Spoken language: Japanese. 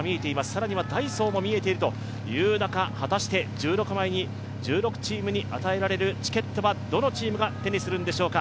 更にはダイソーも見えている中、果たして１６チームに与えられるチケットはどのチームが手にするんでしょうか。